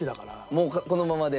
もうこのままで。